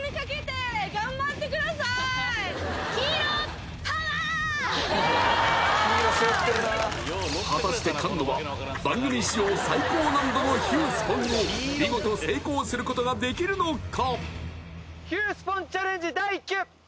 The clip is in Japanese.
イエーイ果たして菅野は番組史上最高難度のヒュースポンを見事成功することができるのか？